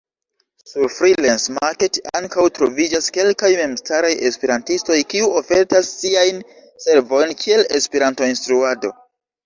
Sur Freelance-Market ankaŭ troviĝas kelkaj memstaraj Esperantistoj kiu ofertas siajn servojn kiel Esperanto-instruado.